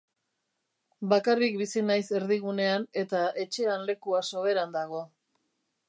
Bakarrik bizi naiz erdigunean eta etxean lekua soberan dago.